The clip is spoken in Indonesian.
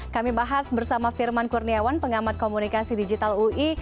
kami bahas bersama firman kurniawan pengamat komunikasi digital ui